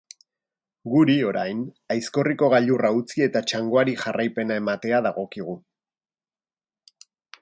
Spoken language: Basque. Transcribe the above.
Guri, orain, Aizkorriko gailurra utzi eta txangoari jarraipena ematea dagokigu.